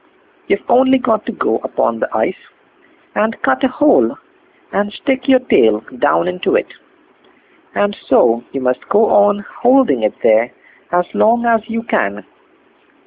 You've only got to go upon the ice, and cut a hole and stick your tail down into it; and so you must go on holding it there as long as you can.